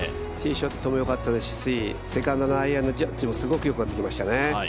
ティーショットも良かったですしセカンドのアイアンのジャッジもすごく良かったですね。